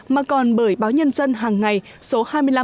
mà còn bởi báo nhân dân hàng ngày số hai mươi năm một mươi sáu